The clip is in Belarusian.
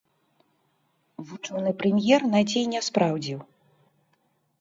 Вучоны прэм'ер надзей не спраўдзіў.